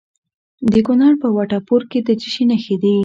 د کونړ په وټه پور کې د څه شي نښې دي؟